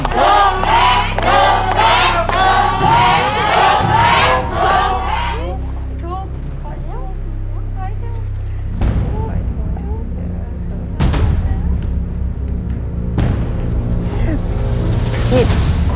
ผิด